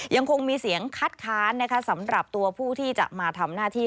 ยังคงมีเสียงคัดค้านนะคะสำหรับตัวผู้ที่จะมาทำหน้าที่